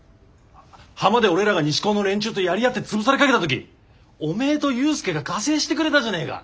浜で俺らが西高の連中とやり合って潰されかけた時おめえと勇介が加勢してくれたじゃねえか。